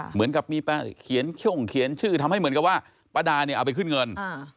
เหมือนกับมีเขียนช่องเขียนชื่อทำให้เหมือนกับว่าป้าดาเนี่ยเอาไปขึ้นเงิน